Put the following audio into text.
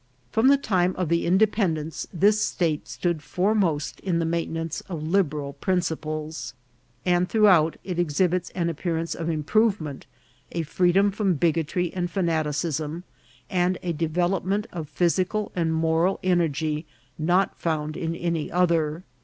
From the time of the independence this state stood foremost in the maintenance of liberal principles, and throughout it exhibits an appearance of improve ment, a freedom from bigotry and fanaticism, and a de velopment of physical and moral energy not found in any other.